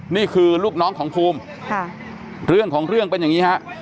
นี่คือลูกน้องของภูมิค่ะเรื่องของเรื่องเป็นอย่างนี้ฮะ